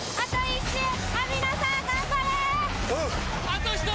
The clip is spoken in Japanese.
あと１人！